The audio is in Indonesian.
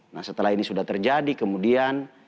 nah setelah ini sudah terjadi kemudian